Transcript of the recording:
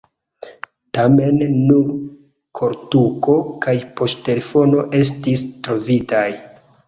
Tamen nur koltuko kaj poŝtelefono estis trovitaj.